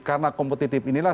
karena kompetitif inilah